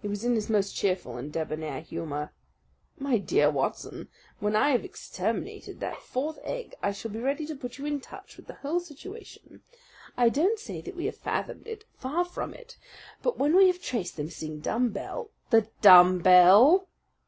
He was in his most cheerful and debonair humour. "My dear Watson, when I have exterminated that fourth egg I shall be ready to put you in touch with the whole situation. I don't say that we have fathomed it far from it but when we have traced the missing dumb bell " "The dumb bell!"